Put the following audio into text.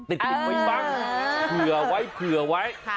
ติดไว้บ้างเผื่อไว้เผื่อไว้